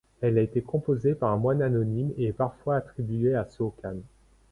Elle a été composée par un moine anonyme et est parfois attribuée à Sōkan.